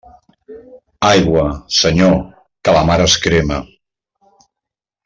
Aigua, Senyor, que la mar es crema.